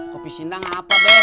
kopi sindang apa be